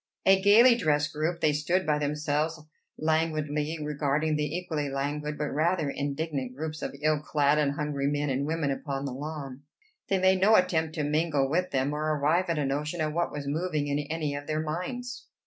A gayly dressed group, they stood by themselves languidly regarding the equally languid but rather indignant groups of ill clad and hungry men and women upon the lawn. They made no attempt to mingle with them, or arrive at a notion of what was moving in any of their minds.